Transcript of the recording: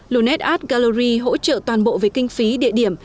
luned art gallery hỗ trợ toàn bộ về kinh phí địa điểm